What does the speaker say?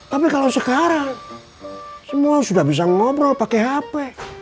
tapi kalau sekarang semua sudah bisa ngobrol pakai hp